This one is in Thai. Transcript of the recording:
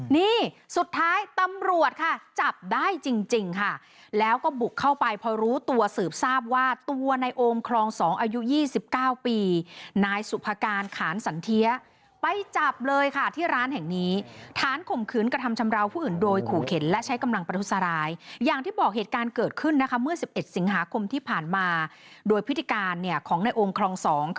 นี่สุดท้ายตำรวจค่ะจับได้จริงค่ะแล้วก็บุกเข้าไปพอรู้ตัวสืบทราบว่าตัวในโอมครอง๒อายุ๒๙ปีนายสุภาการขานสันเทียไปจับเลยค่ะที่ร้านแห่งนี้ฐานข่มขืนกระทำชำราวผู้อื่นโดยขู่เข็นและใช้กำลังประทุษร้ายอย่างที่บอกเหตุการณ์เกิดขึ้นนะคะเมื่อ๑๑สิงหาคมที่ผ่านมาโดยพฤติการเนี่ยของในโอมครอง๒